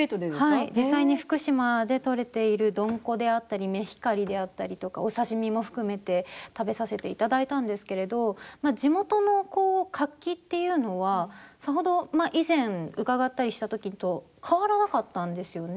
はい、実際に福島で取れているドンコであったりメヒカリであったりとかお刺身も含めて食べさせていただいたんですけれど地元の活気っていうのはさほど以前、伺ったりした時と変わらなかったんですよね。